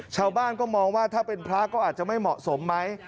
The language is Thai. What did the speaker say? ชาวบ้านก็มองว่าถ้าเป็นพระก็อาจจะไม่เหมาะสมไหม